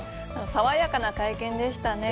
爽やかな会見でしたね。